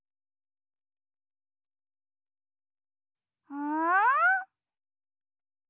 うん？